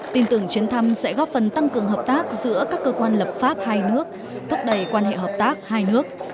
tin tưởng chuyến thăm sẽ góp phần tăng cường hợp tác giữa các cơ quan lập pháp hai nước thúc đẩy quan hệ hợp tác hai nước